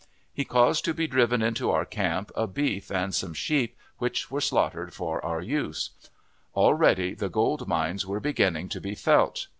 He caused to be driven into our camp a beef and some sheep, which were slaughtered for our use. Already the goldmines were beginning to be felt.